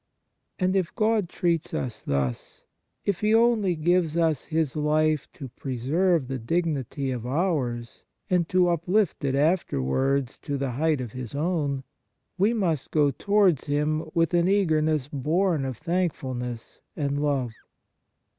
And if God treats us thus, if He only gives us His life to preserve the dignity of ours and to uplift it after wards to the height of His own, we must go towards Him with an eager ness born of thankfulness and love.